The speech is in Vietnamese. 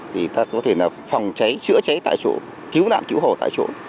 thì ta có thể là phòng cháy chữa cháy tại chỗ cứu nạn cứu hộ tại chỗ